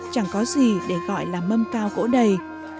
chẳng có gì để gọi là mâm cao gỗ đầy